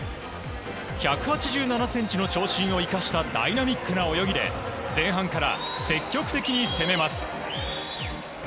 １８７ｃｍの長身を生かしたダイナミックな泳ぎで前半から積極的に攻めます。